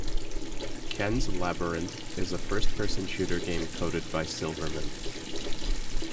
"Ken's Labyrinth" is a first-person shooter game coded by Silverman.